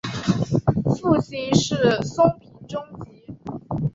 父亲是松平忠吉。